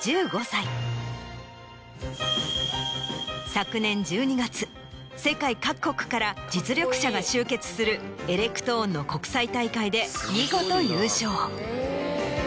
昨年１２月世界各国から実力者が集結するエレクトーンの国際大会で見事。